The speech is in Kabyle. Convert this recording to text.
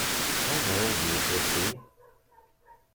Anda ay d-yufa ti?